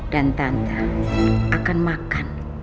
dan tante akan makan